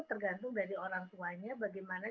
tergantung dari orang tuanya bagaimana